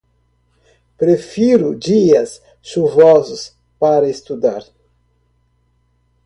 Prefiro dias chuvosos para estudar.